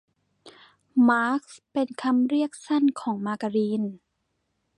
มาร์ก เป็นคำเรียกสั้นของมาการีน